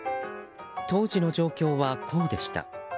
当時の状況はこうでした。